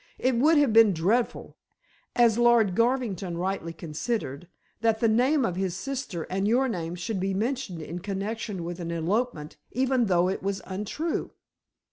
It would have been dreadful as Lord Garvington rightly considered that the name of his sister and your name should be mentioned in connection with an elopement even though it was untrue.